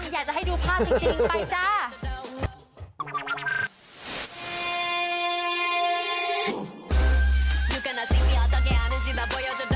อยากจะให้ดูภาพจริงไปจ้า